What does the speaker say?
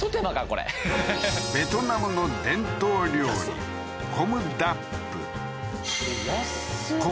これベトナムの伝統料理安っコ